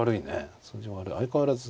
相変わらず。